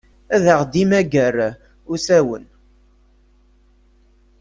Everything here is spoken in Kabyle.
Ad aɣ-d-immager usawen.